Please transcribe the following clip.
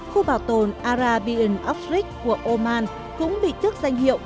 khu bảo tồn arabian obstruct của oman cũng bị thức danh hiệu